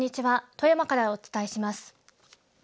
富山からお伝えします。